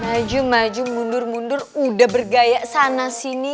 maju maju mundur mundur udah bergaya sana sini